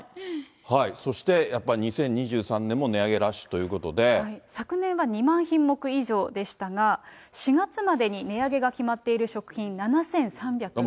そしてやっぱり２０２３年も値上昨年は２万品目以上でしたが、４月までに値上げが決まっている食品７３９０品目。